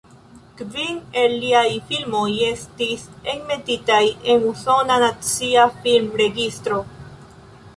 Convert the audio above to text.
Kvin el liaj filmoj estis enmetitaj en la Usona Nacia Film-Registro.